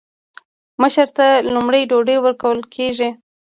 مشر ته لومړی ډوډۍ ورکول کیږي.